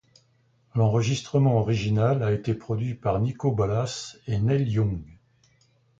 L'enregistrement original a été produit par Niko Bolas et Neil Young.